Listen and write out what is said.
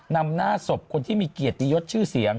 นำหน้าศพคนที่มีเกียรติยศชื่อเสียง